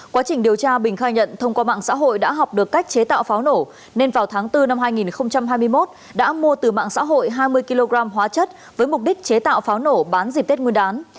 quá trình điều tra bình khai nhận thông qua mạng xã hội đã học được cách chế tạo pháo nổ nên vào tháng bốn năm hai nghìn hai mươi một đã mua từ mạng xã hội hai mươi kg hóa chất với mục đích chế tạo pháo nổ bán dịp tết nguyên đán